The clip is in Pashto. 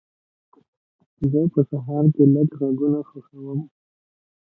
زه په سهار لږ غږونه خوښوم.